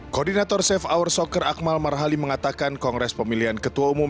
koordinator safe hour soccer akmal marhali mengatakan kongres pemilihan ketua umum